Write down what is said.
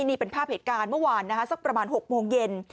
นี่เป็นภาพเหตุการณ์เมื่อวานสักประมาณ๖โมงเย็น